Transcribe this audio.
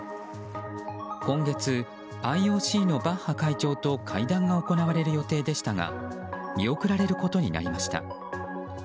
今月、ＩＯＣのバッハ会長と会談が行われる予定でしたが見送られることになりました。